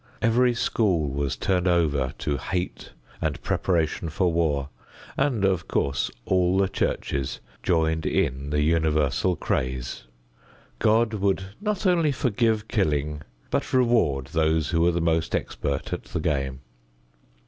Every school was turned over to hate and preparation for war, and, of course, all the churches joined in the universal craze. God would not only forgive killing but reward those who were the most expert at the game.